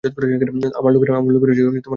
আমার লোকেরা করে না।